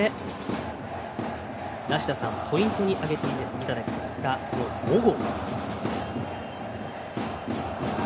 梨田さんポイントに挙げていただいた小郷。